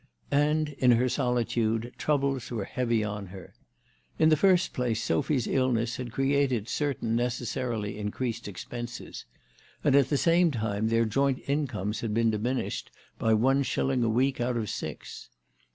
And, in her solitude, troubles were heavy on her. In the first place Sophy's illness had created certain necessarily increased expenses ; and at the same time their joint incomes had been diminished by one shilling a week out of six.